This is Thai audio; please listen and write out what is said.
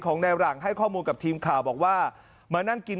ในหลังให้ข้อมูลกับทีมข่าวบอกว่ามานั่งกิน